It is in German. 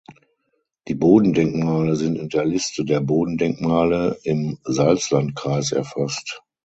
Die Bodendenkmale sind in der Liste der Bodendenkmale im Salzlandkreis erfasst.